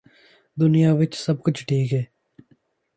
ਦੁਨੀਆਂ ਵਿਚ ਸਭ ਕੁਝ ਠੀਕ ਹੈ